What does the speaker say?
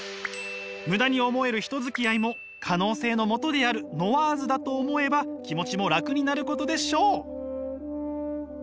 ムダに思える人付き合いも可能性のもとであるノワーズだと思えば気持ちも楽になることでしょう！